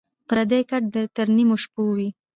ـ پردى کټ تر نيمو شپو وي.